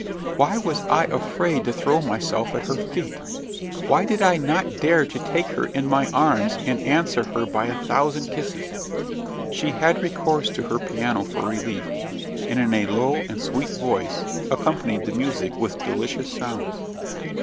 Why was I afraid to throw myself at her feet? Why did I not dare to take her in my arms, and answer her by a thousand kisses? She had recourse to her piano for relief, and in a low and sweet voice accompanied the music with delicious sounds.